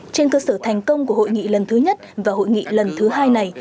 trên cơ sở thành công của hội nghị lần thứ nhất và hội nghị lần thứ hai này